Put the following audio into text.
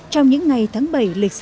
trong những ngày tháng bảy lịch sử